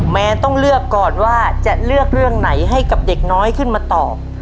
แนนต้องเลือกก่อนว่าจะเลือกเรื่องไหนให้กับเด็กน้อยขึ้นมาตอบ